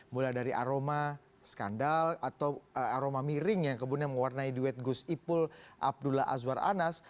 mulai dari aroma skandal atau aroma miring yang kemudian mewarnai duet gus ipul abdullah azwar anas